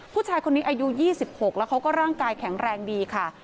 ผู้ชายคนนี้อายุ๒๖แล้วเขาก็ร่างกายแข็งแรงดีค่ะ